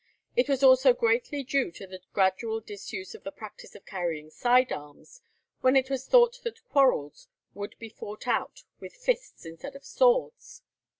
It was also greatly due to the gradual disuse of the practice of carrying side arms, when it was thought that quarrels would be fought out with fists instead of swords.